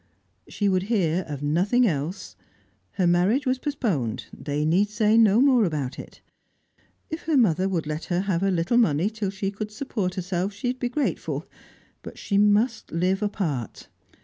She would hear of nothing else. Her marriage was postponed; they need say no more about it. If her mother would let her have a little money, till she could support herself, she would be grateful; but she must live apart.